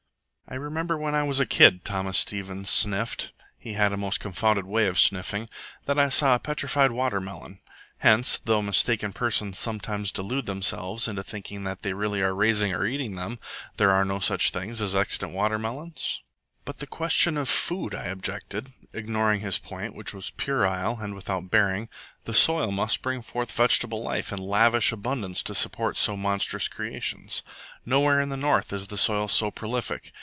"I remember when I was a kid," Thomas Stevens sniffed (he had a most confounded way of sniffing), "that I saw a petrified water melon. Hence, though mistaken persons sometimes delude themselves into thinking that they are really raising or eating them, there are no such things as extant water melons?" "But the question of food," I objected, ignoring his point, which was puerile and without bearing. "The soil must bring forth vegetable life in lavish abundance to support so monstrous creations. Nowhere in the North is the soil so prolific.